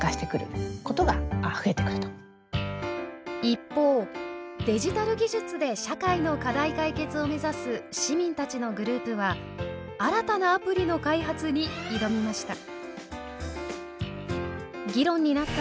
一方デジタル技術で社会の課題解決を目指す市民たちのグループは新たなアプリの開発に挑みました。